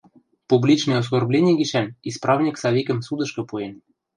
Публичный оскорблени гишӓн исправник Савикӹм судышкы пуэн.